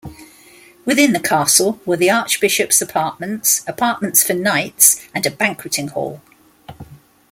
Within the castle were the Archbishop's apartments, apartments for knights and a banqueting hall.